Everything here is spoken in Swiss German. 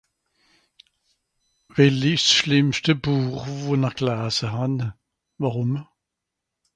Well isch 's schlìmmschte Buch, wo-n-r glase hàn ? Wàrùm ?